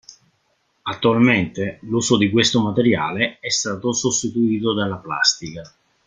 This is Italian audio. Attualmente l'uso di questo materiale è stato sostituito dalla plastica.